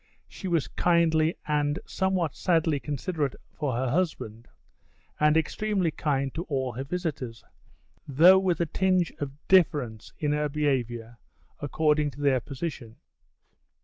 She was quietly and, somewhat sadly considerate for her husband, and extremely kind to all her visitors, though with a tinge of difference in her behaviour according to their position.